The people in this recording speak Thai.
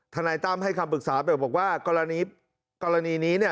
นายตั้มให้คำปรึกษาแบบบอกว่ากรณีนี้เนี่ย